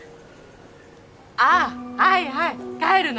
あぁはいはい帰るの？